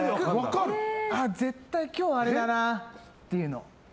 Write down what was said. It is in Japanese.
絶対今日あれだなっていうの。